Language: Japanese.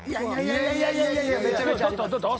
いやいやいやいやめちゃめちゃあります。